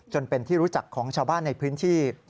จนเป็นที่รู้จักของชาวบ้านในพื้นที่